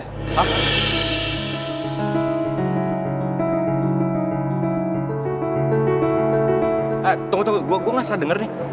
eh tunggu tunggu gue gak usah denger nih